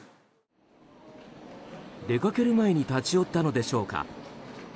出かける前に立ち寄ったのでしょうか。